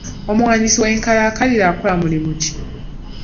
Omuwandiisi w'enkalakkalira akola mulimu ki?